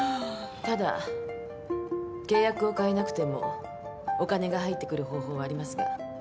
ただ契約を変えなくてもお金が入ってくる方法はありますが。